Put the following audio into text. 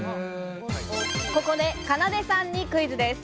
ここでかなでさんにクイズです。